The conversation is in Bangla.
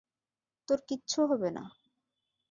তোর কিচ্ছু হবে না।